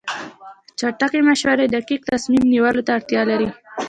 چټک مشورې دقیق تصمیم نیولو ته اړتیا لري.